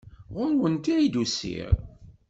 Ɣer-went ay d-usiɣ.